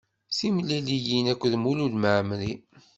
Timliliyin akked Mulud Mɛemri.